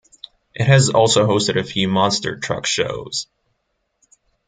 It has also hosted a few monster truck shows.